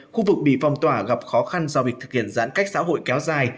khu vực bị phong tỏa gặp khó khăn do việc thực hiện giãn cách xã hội kéo dài